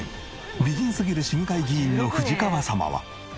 美人すぎる市議会議員の藤川様は。